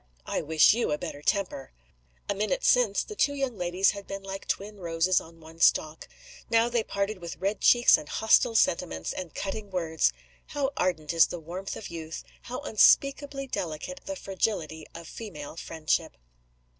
"I wish you a better temper!" A minute since the two young ladies had been like twin roses on one stalk. Now they parted with red cheeks and hostile sentiments and cutting words. How ardent is the warmth of youth! how unspeakably delicate the fragility of female friendship!